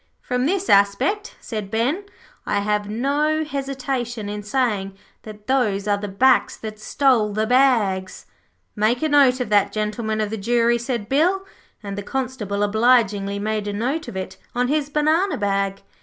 'From this aspect,' said Ben, 'I have no hesitation in saying that those are the backs that stole the bags.' 'Make a note of that, Gentlemen of the Jury,' said Bill, and the Constable obligingly made a note of it on his banana bag.